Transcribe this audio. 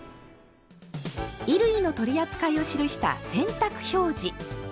衣類の取り扱いを記した「洗濯表示」。